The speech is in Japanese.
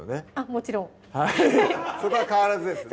もちろんそこは変わらずですね